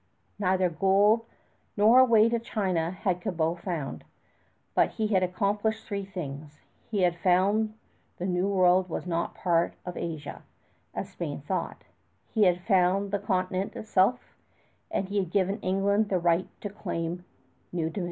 Neither gold nor a way to China had Cabot found; but he had accomplished three things: he had found that the New World was not a part of Asia, as Spain thought; he had found the continent itself; and he had given England the right to claim new dominion.